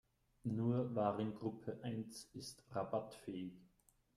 Nur Warengruppe eins ist rabattfähig.